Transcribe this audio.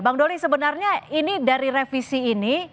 bang doli sebenarnya ini dari revisi ini